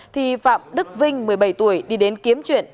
thì phạm đức vinh một mươi bảy tuổi đi đến kiếm chuyện